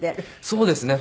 そうですね。